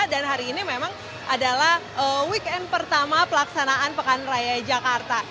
hari ini memang adalah weekend pertama pelaksanaan pekan raya jakarta